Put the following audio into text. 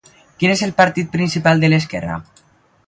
Quin és el partit principal de l'esquerra?